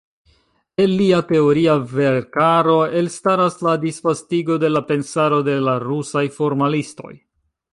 El lia teoria veerkaro elstaras la disvastigo de la pensaro de la rusaj formalistoj.